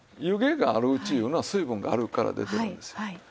湯気があるうちいうのは水分があるから出てるんですよ。